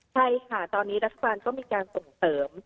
ใช่ค่ะตอนนี้รัฐบาลก็มีการส่งเสริม